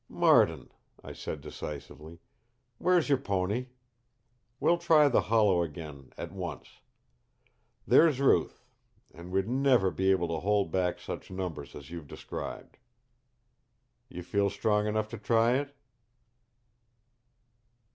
"Martin," I said decisively, "where's your pony? We'll try the hollow again, at once. There's Ruth and we'd never be able to hold back such numbers as you've described." "You feel strong enough to try it?"